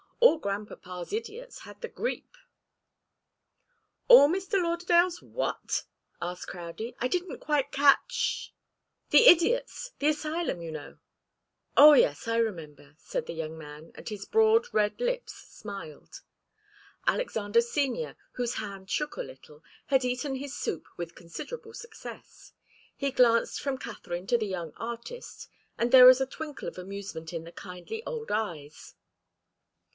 "All grandpapa's idiots had the grippe." "All Mr. Lauderdale's what?" asked Crowdie. "I didn't quite catch " "The idiots the asylum, you know." "Oh, yes I remember," said the young man, and his broad red lips smiled. Alexander Senior, whose hand shook a little, had eaten his soup with considerable success. He glanced from Katharine to the young artist, and there was a twinkle of amusement in the kindly old eyes.